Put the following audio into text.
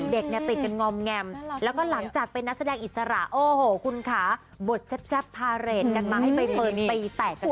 เด็กเนี่ยติดกันงอมแงมแล้วก็หลังจากเป็นนักแสดงอิสระโอ้โหคุณค่ะบทแซ่บพาเรทกันมาให้ใบเฟิร์นปีแตกกันเลย